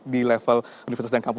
di level universitas dan kampung